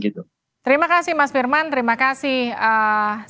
terima kasih mas firman terima kasih